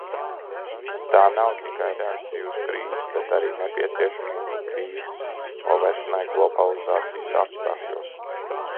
Tā nav tikai reakcija uz krīzi, bet arī nepieciešamība krīzes novēršanai globalizācijas apstākļos.